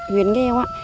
huyện nghèo á